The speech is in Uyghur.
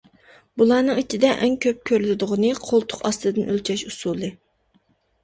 بۇلارنىڭ ئىچىدە ئەڭ كۆپ كۆرۈلىدىغىنى قولتۇق ئاستىدىن ئۆلچەش ئۇسۇلى.